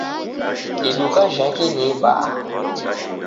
Iduka jhake ni ibaha.